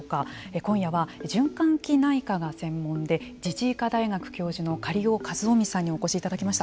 今夜は、循環器内科がご専門で自治医科大学教授の苅尾七臣さんにお越しいただきました。